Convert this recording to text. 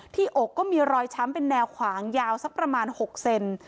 อกก็มีรอยช้ำเป็นแนวขวางยาวสักประมาณ๖เซน